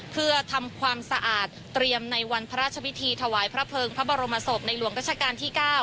เพื่อทำความสะอาดเตรียมในวันพระราชพิธีถวายพระเภิงพระบรมศพในหลวงรัชกาลที่๙